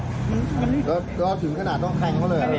รอถึงขนาดร่องแพงเพราะเลย